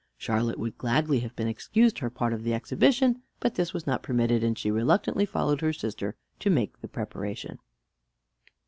Charlotte would gladly have been excused her part of the exhibition; but this was not permitted; and she reluctantly followed her sister to make the preparation.